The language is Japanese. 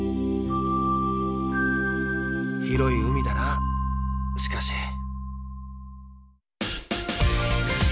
広い海だなしかし。